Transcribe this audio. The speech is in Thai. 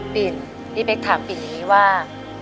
ปิ่นพี่เป๊กถามปิ่นอย่างนี้ว่า